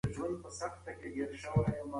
معصوم له خپلې خور څخه د ژاولو تمه لري.